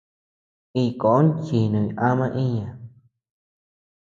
Iñkon chinuñ ama iña.